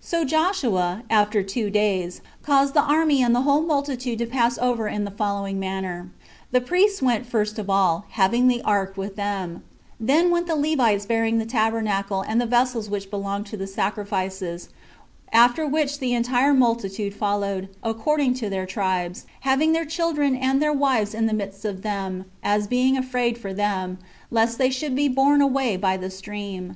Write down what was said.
So Joshua, after two days, caused the army and the whole multitude to pass over in the manner following:The priests went first of all, having the ark with them; then went the Levites bearing the tabernacle and the vessels which belonged to the sacrifices; after which the entire multitude followed, according to their tribes, having their children and their wives in the midst of them, as being afraid for them, lest they should be borne away by the stream.